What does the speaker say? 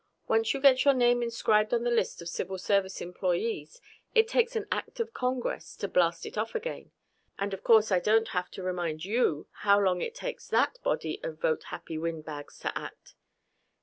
Once you get your name inscribed on the list of Civil Service employees it takes an act of Congress to blast it off again. And of course I don't have to remind you how long it takes that body of vote happy windbags to act.